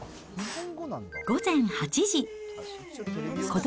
午前８時。